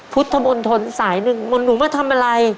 พุทธมนตรสายหนึ่งเหมือนหนูมาทำอะไร